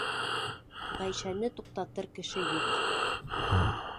Ғәйшәне туҡтатыр кеше юҡ!